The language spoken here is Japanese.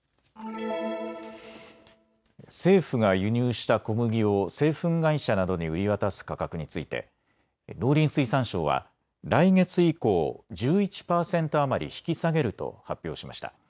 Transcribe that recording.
政府が輸入した小麦を製粉会社などに売り渡す価格について農林水産省は来月以降、１１％余り引き下げると発表しました。